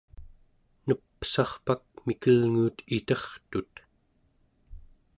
nepsarpak mikelnguut itertut